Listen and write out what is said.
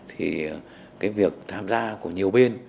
thì việc tham gia của nhiều bên